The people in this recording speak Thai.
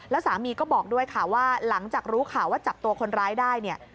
แล้วสามีก็บอกด้วยค่ะว่าหลังจากรู้ข่าวว่าจับตัวคนร้ายได้เนี่ย